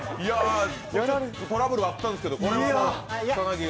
トラブルはあったんですけど、草薙が。